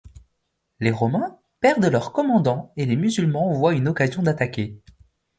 Les Romains perdent leur commandant et les musulmans voient une occasion d'attaquer.